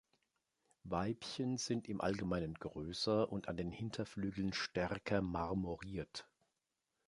Weibchen sind im Allgemeinen größer und an den Hinterflügeln stärker marmoriert.